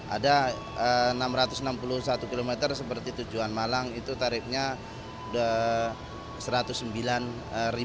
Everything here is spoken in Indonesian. ada enam ratus enam puluh satu km seperti tujuan malang itu tarifnya sudah rp satu ratus sembilan